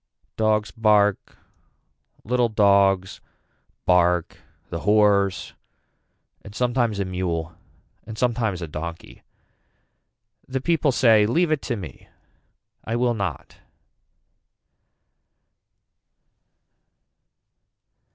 Dogs bark, little dogs bark the horse and sometimes a mule and sometimes a donkey. The people say leave it to me. I will not.